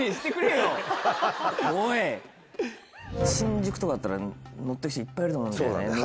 新宿とかだったら乗ってる人いっぱいいると思うんだよね。